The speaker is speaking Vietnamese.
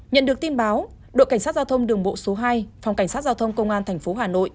nhận được tin báo đội cảnh sát giao thông đường bộ số hai phòng cảnh sát giao thông công an tp hà nội